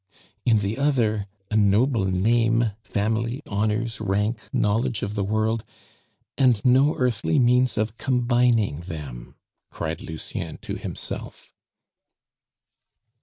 "In the other a noble name, family, honors, rank, knowledge of the world! And no earthly means of combining them!" cried Lucien to himself.